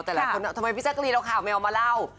ทำไมวิทยากรีตาข่าวแมวมาเล่า